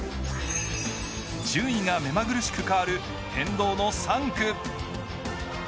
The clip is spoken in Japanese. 順位が目まぐるしく変わる変動の３区。